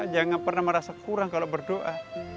jangan pernah merasa kurang kalau berdoa